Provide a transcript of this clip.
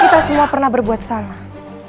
kita semua pernah berbuat salah